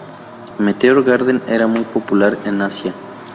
Meteor Garden era muy popular en Asia.